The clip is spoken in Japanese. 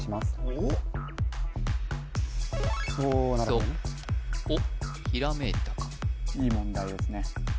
おっおおなるほどねおっひらめいたかいい問題ですね